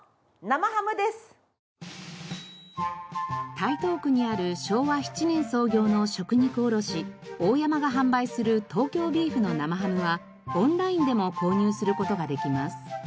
台東区にある昭和７年創業の食肉卸大山が販売する東京ビーフの生ハムはオンラインでも購入する事ができます。